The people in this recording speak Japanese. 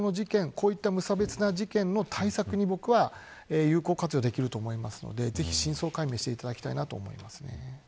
こういった無差別的な事件の対策に有効活用できると思いますのでぜひ真相解明していただきたいと思います。